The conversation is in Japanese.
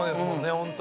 ホントに。